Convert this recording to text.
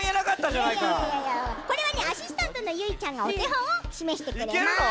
これはねアシスタントのゆいちゃんがおてほんをしめしてくれます。